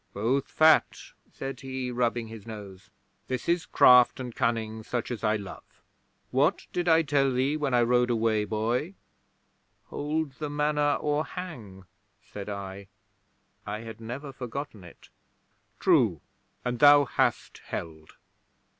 '"Both fat," said he, rubbing his nose. "This is craft and cunning such as I love. What did I tell thee when I rode away, boy?" '"Hold the Manor or hang," said I. I had never forgotten it. '"True. And thou hast held."